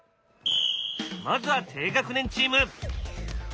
まずは低学年チーム。